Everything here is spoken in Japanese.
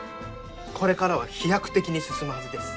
これからは飛躍的に進むはずです。